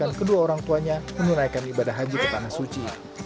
kedua orang tuanya menunaikan ibadah haji ke tanah suci